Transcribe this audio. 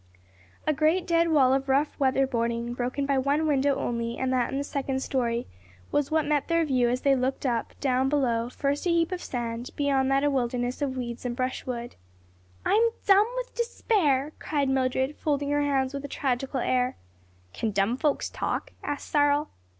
A great dead wall of rough weather boarding broken by one window only and that in the second story, was what met their view as they looked up; down below, first a heap of sand, beyond that a wilderness of weeds and brushwood. "I'm dumb with despair!" cried Mildred, folding her hands with a tragical air. "Can dumb folks talk?" asked Cyril.